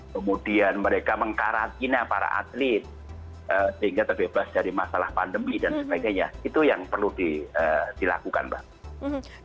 kemudian mereka mengkarantina para atlet sehingga terbebas dari masalah pandemi dan sebagainya itu yang perlu dilakukan mbak